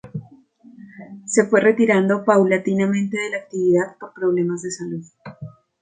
Se fue retirando paulatinamente de la actividad por problemas de salud.